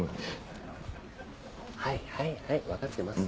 はいはいはい分かってます